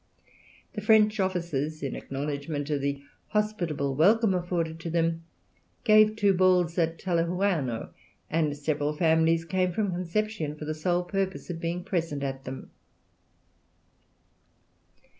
The French officers, in acknowledgment of the hospitable welcome offered to them, gave two balls at Talcahuano, and several families came from Conception for the sole purpose of being present at them.